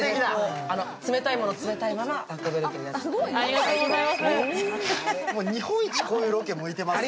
冷たいものは冷たいまま入れていただけます。